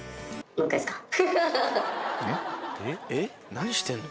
何してんの？